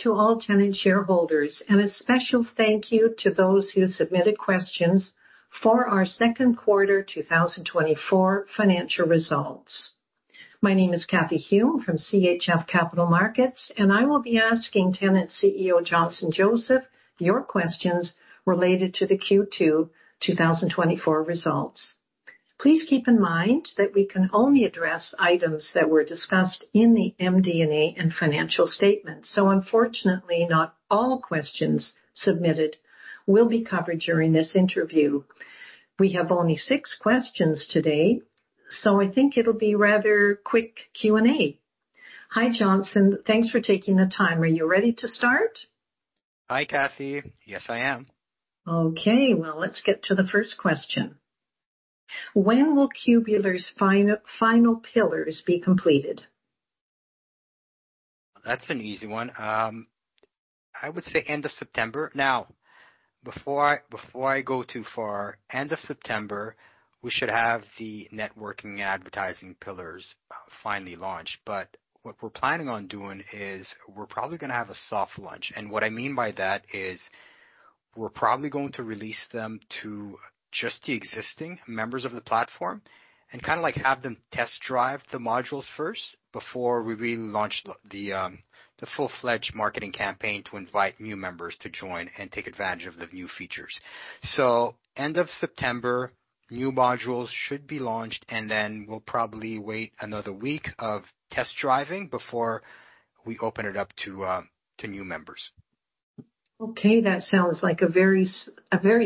Hello to all Tenet shareholders, and a special thank you to those who submitted questions for our second quarter, 2024 financial results. My name is Cathy Hume from CHF Capital Markets, and I will be asking Tenet CEO, Johnson Joseph, your questions related to the Q2 2024 results. Please keep in mind that we can only address items that were discussed in the MD&A and financial statements. So unfortunately, not all questions submitted will be covered during this interview. We have only six questions today, so I think it'll be rather quick Q&A. Hi, Johnson. Thanks for taking the time. Are you ready to start? Hi, Cathy. Yes, I am. Okay, well, let's get to the first question. When will Cubeler's final pillars be completed? That's an easy one. I would say end of September. Now, before I go too far, end of September, we should have the networking and advertising pillars finally launched, but what we're planning on doing is we're probably gonna have a soft launch, and what I mean by that is we're probably going to release them to just the existing members of the platform and kind of, like, have them test drive the modules first before we really launch the full-fledged marketing campaign to invite new members to join and take advantage of the new features, so end of September, new modules should be launched, and then we'll probably wait another week of test driving before we open it up to new members. Okay, that sounds like a very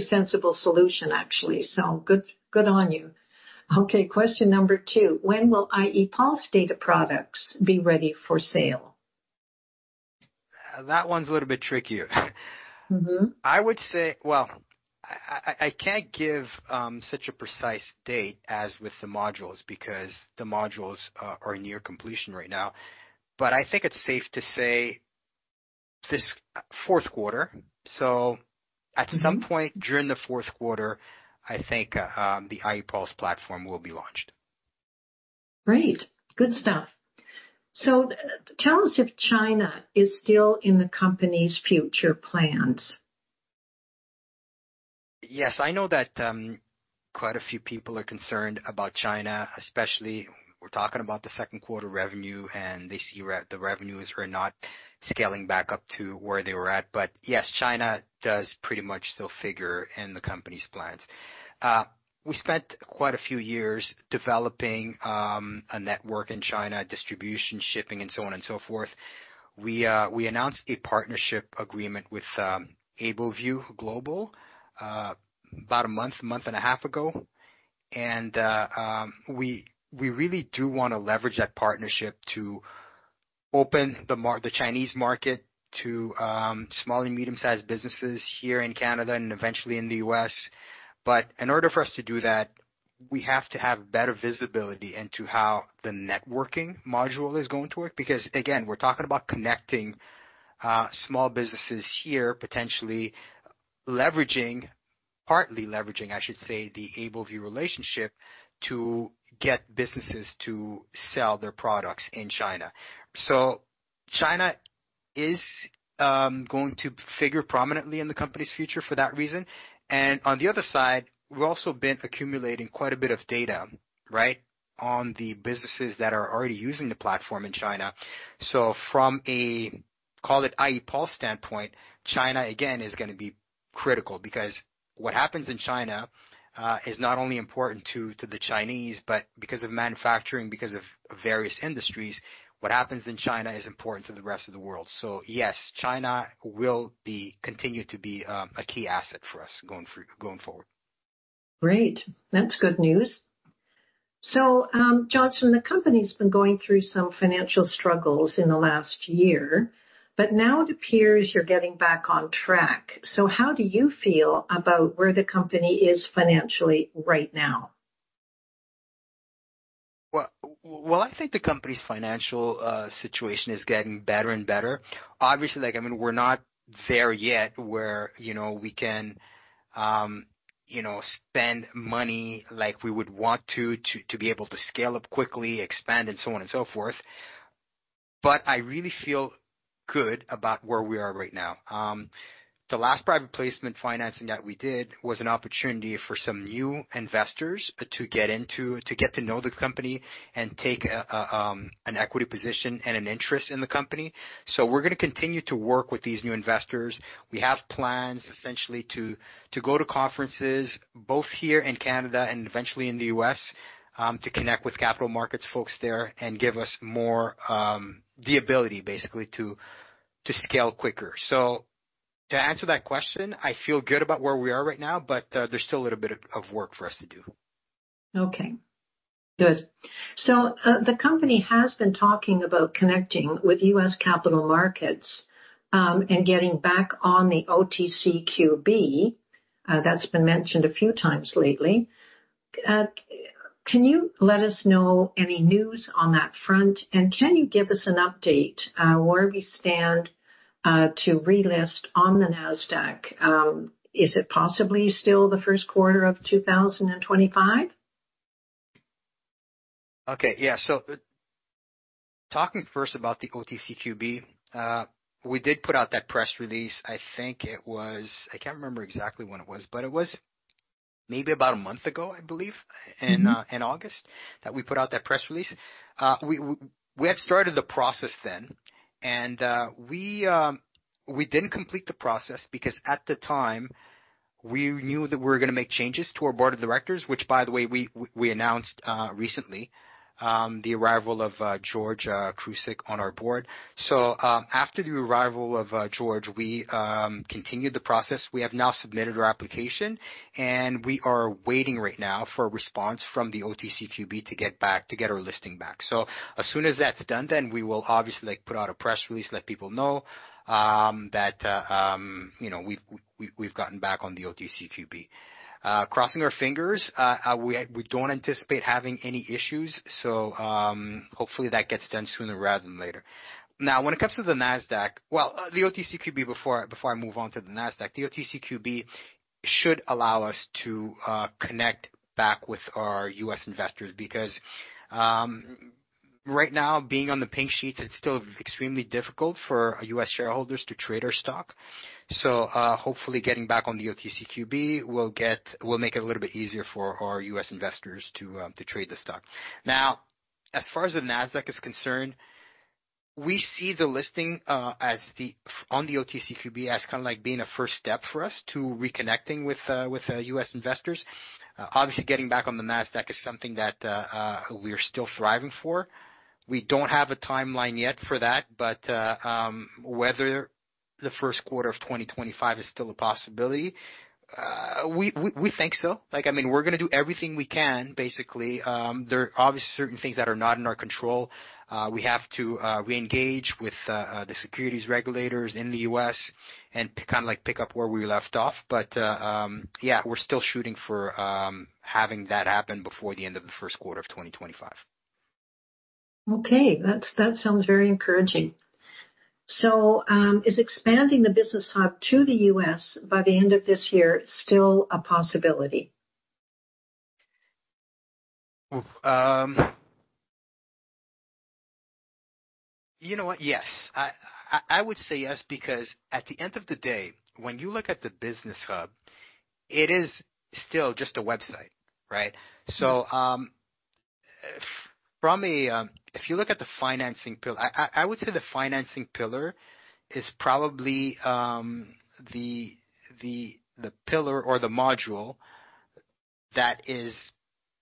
sensible solution, actually. So good, good on you. Okay, question number two: When will ie-Pulse data products be ready for sale? That one's a little bit trickier. Mm-hmm. I would say, well, I can't give such a precise date as with the modules, because the modules are near completion right now. But I think it's safe to say this fourth quarter. So Mm-hmm. At some point during the fourth quarter, I think, the ie-Pulse platform will be launched. Great! Good stuff. So tell us if China is still in the company's future plans? Yes, I know that, quite a few people are concerned about China, especially we're talking about the second quarter revenue, and they see the revenues are not scaling back up to where they were at. But yes, China does pretty much still figure in the company's plans. We spent quite a few years developing, a network in China, distribution, shipping, and so on and so forth. We announced a partnership agreement with, Able View Global, about a month, month and a half ago. And, we really do wanna leverage that partnership to open the Chinese market to, small and medium-sized businesses here in Canada and eventually in the US. But in order for us to do that, we have to have better visibility into how the networking module is going to work. Because, again, we're talking about connecting small businesses here, potentially leveraging, partly leveraging, I should say, the Able View relationship, to get businesses to sell their products in China. So China is going to figure prominently in the company's future for that reason. And on the other side, we've also been accumulating quite a bit of data, right, on the businesses that are already using the platform in China. So from a, call it, ie-Pulse standpoint, China, again, is gonna be critical, because what happens in China is not only important to the Chinese, but because of manufacturing, because of various industries, what happens in China is important to the rest of the world. So yes, China will continue to be a key asset for us going forward. Great. That's good news. So, Johnson, the company's been going through some financial struggles in the last year, but now it appears you're getting back on track. So how do you feel about where the company is financially right now? I think the company's financial situation is getting better and better. Obviously, like, I mean, we're not there yet, where you know we can you know spend money like we would want to to be able to scale up quickly, expand, and so on and so forth. But I really feel good about where we are right now. The last private placement financing that we did was an opportunity for some new investors to get into, to get to know the company and take an equity position and an interest in the company. So we're gonna continue to work with these new investors. We have plans essentially to go to conferences, both here in Canada and eventually in the U.S., to connect with capital markets folks there and give us more the ability basically to scale quicker. So to answer that question, I feel good about where we are right now, but there's still a little bit of work for us to do. Okay, good. So, the company has been talking about connecting with U.S. capital markets, and getting back on the OTCQB. That's been mentioned a few times lately. Can you let us know any news on that front, and can you give us an update on where we stand, to relist on the NASDAQ? Is it possibly still the first quarter of 2025? Okay, yeah. So, talking first about the OTCQB, we did put out that press release. I think it was... I can't remember exactly when it was, but it was maybe about a month ago, I believe, in August, that we put out that press release. We had started the process then, and we didn't complete the process because, at the time, we knew that we were gonna make changes to our board of directors, which by the way, we announced recently the arrival of George Kaousias on our board. So, after the arrival of George, we continued the process. We have now submitted our application, and we are waiting right now for a response from the OTCQB to get our listing back. So as soon as that's done, then we will obviously, like, put out a press release, let people know, that, you know, we've gotten back on the OTCQB. Crossing our fingers, we don't anticipate having any issues, so hopefully, that gets done sooner rather than later. Now, when it comes to the NASDAQ... Well, the OTCQB, before I move on to the NASDAQ, the OTCQB should allow us to connect back with our U.S. investors, because right now, being on the Pink Sheets, it's still extremely difficult for our U.S. shareholders to trade our stock. So hopefully, getting back on the OTCQB will make it a little bit easier for our U.S. investors to trade the stock. Now, as far as the NASDAQ is concerned, we see the listing as the on the OTCQB as kind of like being a first step for us to reconnecting with U.S. investors. Obviously, getting back on the NASDAQ is something that we are still striving for. We don't have a timeline yet for that, but whether the first quarter of 2025 is still a possibility, we think so. Like, I mean, we're gonna do everything we can, basically. There are obviously certain things that are not in our control. We have to re-engage with the securities regulators in the U.S. and kind of like pick up where we left off. But yeah, we're still shooting for having that happen before the end of the first quarter of 2025. Okay, that sounds very encouraging. So, is expanding the business hub to the US by the end of this year still a possibility? Oof! You know what? Yes. I would say yes, because at the end of the day, when you look at the business hub, it is still just a website, right? Mm-hmm. If you look at the financing pillar, I would say the financing pillar is probably the pillar or the module that is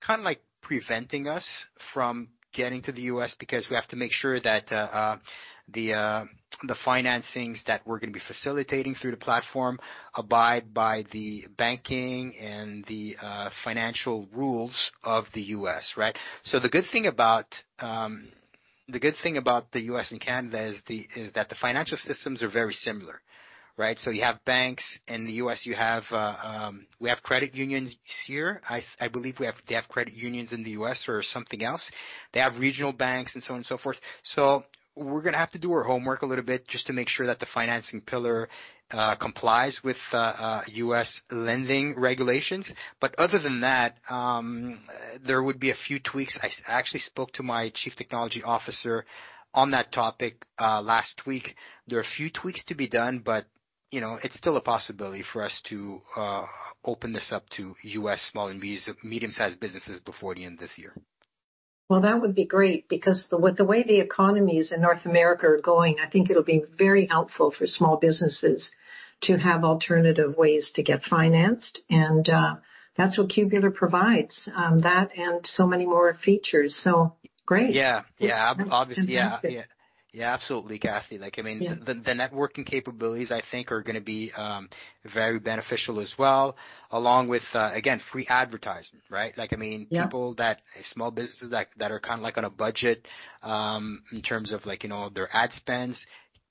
kind of like preventing us from getting to the US, because we have to make sure that the financings that we're gonna be facilitating through the platform abide by the banking and the financial rules of the US, right? So the good thing about the US and Canada is that the financial systems are very similar, right? So you have banks, in the US you have we have credit unions here. I believe they have credit unions in the US or something else. They have regional banks and so on and so forth. So we're gonna have to do our homework a little bit, just to make sure that the financing pillar complies with U.S. lending regulations. But other than that, there would be a few tweaks. I actually spoke to my chief technology officer on that topic last week. There are a few tweaks to be done, but you know, it's still a possibility for us to open this up to U.S. small and medium-sized businesses before the end of this year. Well, that would be great, because the way the economies in North America are going, I think it'll be very helpful for small businesses to have alternative ways to get financed, and, that's what Cubeler provides, that and so many more features. So, great! Yeah, yeah. Obviously, yeah, yeah. Yeah, absolutely, Kathy. Yeah. Like, I mean, the networking capabilities, I think, are gonna be very beneficial as well, along with, again, free advertising, right? Like, I mean- Yeah... small businesses that are kind of like on a budget, in terms of like, you know, their ad spends,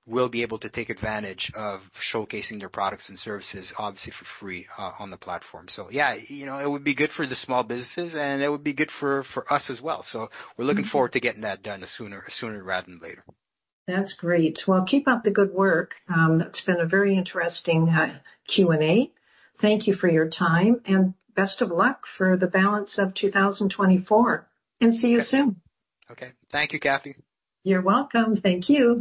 will be able to take advantage of showcasing their products and services, obviously for free, on the platform. So yeah, you know, it would be good for the small businesses, and it would be good for us as well. So we're looking- Mm-hmm... forward to getting that done sooner, sooner rather than later. That's great. Well, keep up the good work. It's been a very interesting Q&A. Thank you for your time, and best of luck for the balance of2024, and see you soon. Okay. Thank you, Cathy. You're welcome. Thank you.